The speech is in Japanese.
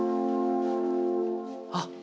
あっ！